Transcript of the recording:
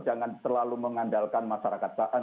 jangan terlalu mengandalkan masyarakat